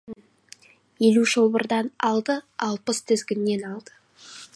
Елу шылбырдан алды, алпыс тізгіннен алды.